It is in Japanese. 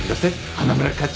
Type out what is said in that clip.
花村課長。